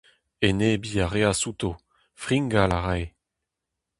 Enebiñ a reas outo, fringal a rae…